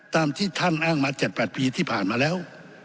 ตามที่ท่านอ้างมา๗๘ปีที่ผ่านมาแล้ว